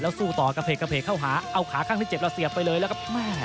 สู้ต่อกระเพกกระเพกเข้าหาเอาขาข้างที่เจ็บแล้วเสียบไปเลยแล้วก็แม่